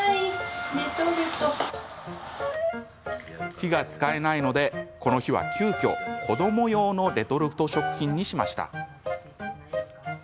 火が使えないのでこの日は急きょ子ども用のレトルト食品にしました。